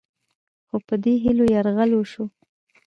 خو په دې هیلو یرغل وشو